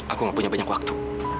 aku gak punya banyak waktu